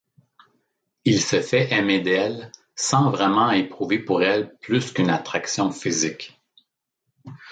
Il se fait aimer d'elle, sans vraiment éprouver pour elle plus qu'une attraction physique.